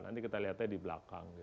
nanti kita lihatnya di belakang